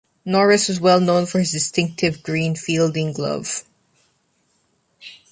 Norris was well known for his distinctive green fielding glove.